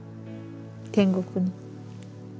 天国に。